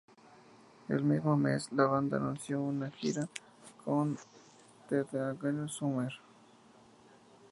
El mismo mes, la banda anunció una gira con The Dangerous Summer.